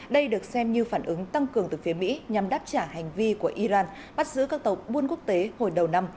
đây được xem như phản ứng tăng cường từ phía mỹ nhằm đáp trả hành vi của iran bắt giữ các tàu buôn quốc tế hồi đầu năm